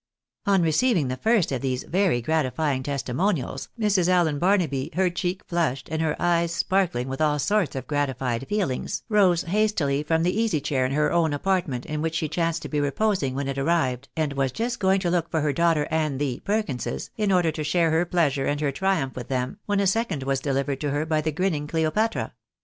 On receiving the first of these very gratifying testimonials, Mrs. Allen Barnaby, her cheek flushed, and her eyes sparkling with all sorts of gratified feelings, rose hastily from the easy chair in her own apartment, in which she chanced to be reposing when it arrived, and was just going to look for her daughter and " the Perkinses," in order to share her pleasure and her triumph with, them, when a second was delivered to her by the grinning Cleopatra.